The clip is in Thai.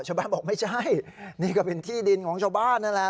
ชาวบ้านบอกไม่ใช่นี่ก็เป็นที่ดินของชาวบ้านนั่นแหละ